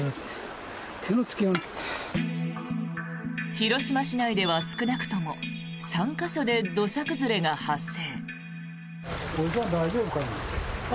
広島市内では少なくとも３か所で土砂崩れが発生。